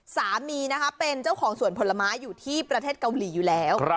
สามีนะคะเป็นเจ้าของสวนผลไม้อยู่ที่ประเทศเกาหลีอยู่แล้ว